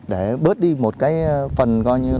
để bớt đi một cái phần